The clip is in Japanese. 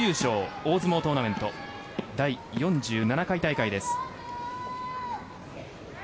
大相撲トーナメント第４７回大会です。